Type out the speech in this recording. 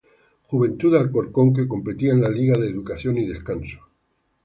Juventud de Alcorcón, que competía en la Liga de Educación y Descanso.